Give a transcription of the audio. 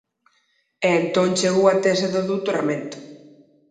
E entón chegou a tese de doutoramento.